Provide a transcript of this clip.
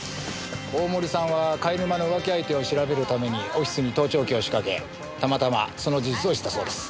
大森さんは貝沼の浮気相手を調べるためにオフィスに盗聴器を仕掛けたまたまその事実を知ったそうです。